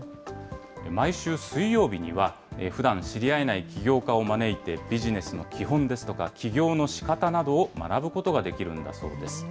毎週水曜日には、ふだん知り合えない起業家を招いてビジネスの基本ですとか、起業のしかたなどを学ぶことができるんだそうです。